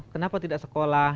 kenapa tidak sekolah